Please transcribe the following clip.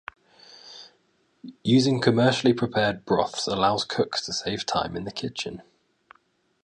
Using commercially prepared broths allows cooks to save time in the kitchen.